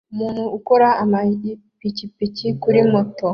Umuntu ukora amapikipiki kuri moto